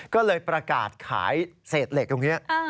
ก็เลยประกาศขายเศษเหล็กตรงนี้